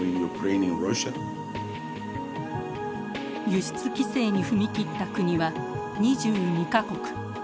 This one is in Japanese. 輸出規制に踏み切った国は２２か国。